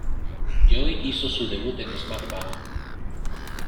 Joy hizo su debut en SmackDown!